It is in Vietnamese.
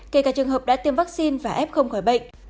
kể cả trường hợp đã tiêm vaccine và f không khỏi bệnh